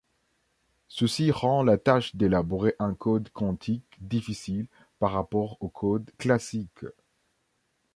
Ceci rend la tâche d'élaborer un code quantique difficile par rapport aux codes classiques.